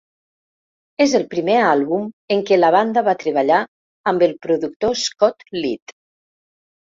És el primer àlbum en què la banda va treballar amb el productor Scott Litt.